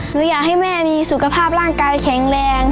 หนูอยากให้แม่มีสุขภาพร่างกายแข็งแรง